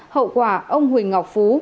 hậu quả ông huỳnh ngọc phú